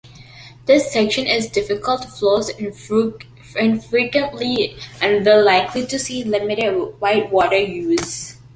This section is difficult, flows infrequently, and will likely see limited whitewater use.